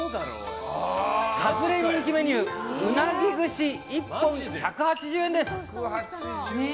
隠れ人気メニュー、うなぎ串１本１８０円です。